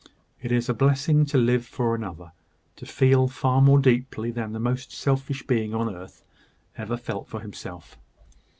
It is a blessing to live for another, to feel far more deeply than the most selfish being on earth ever felt for himself.